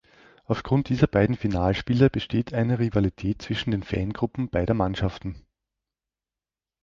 Aufgrund dieser beiden Finalspiele besteht eine Rivalität zwischen den Fangruppen beider Mannschaften.